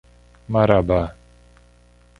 Marabá